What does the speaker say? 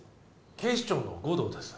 警視庁の護道です